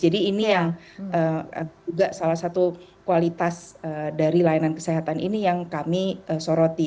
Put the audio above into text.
jadi ini yang salah satu kualitas dari layanan kesehatan ini yang kami soroti